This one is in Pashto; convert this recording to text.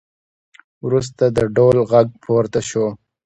وروسته د ډول غږ پورته شو